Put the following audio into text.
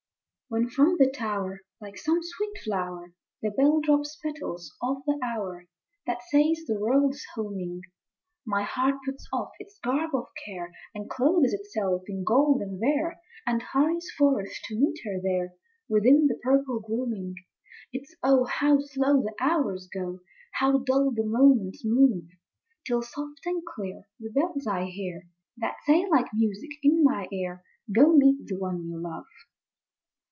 When from the tower, like some sweet flower, The bell drops petals of the hour, That says the world is homing, My heart puts off its garb of care And clothes itself in gold and vair, And hurries forth to meet her there Within the purple gloaming. It's Oh! how slow the hours go, How dull the moments move! Till soft and clear the bells I hear, That say, like music, in my ear, "Go meet the one you love."